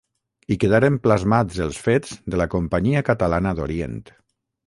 Hi quedaren plasmats els fets de la Companyia Catalana d'Orient.